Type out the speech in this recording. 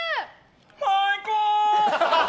最高！